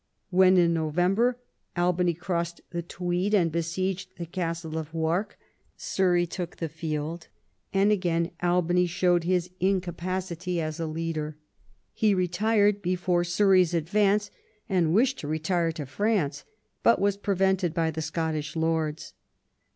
When in November Albany crossed the Tweed and besieged the Castle of Wark, Surrey took the field, and again Albany showed his incapacity as a leader. He retired before Surrey's advance, and wished to retire to France, but was prevented by the Scottish lords.